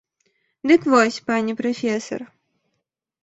Дык вось, пане прафесар!